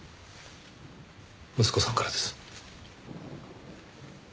息子さんからです。